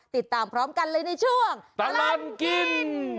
ติดตามพร้อมกันเลยในช่วงตลอดกิน